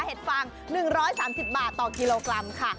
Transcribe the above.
เห็ดฟาง๑๓๐บาทต่อกิโลกรัมค่ะ